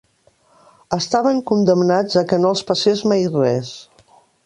Estaven condemnats a que no els passés mai res.